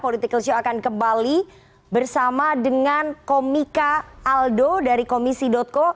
political show akan kembali bersama dengan komika aldo dari komisi co